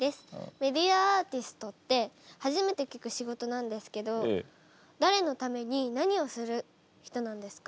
メディアアーティストって初めて聞く仕事なんですけどだれのために何をする人なんですか？